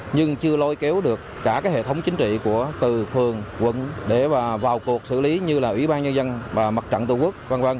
nhưng chưa lôi kéo được cả cái hệ thống chính trị của từ phường quận để vào cuộc xử lý như là ủy ban nhân dân và mặt trận tổ quốc v v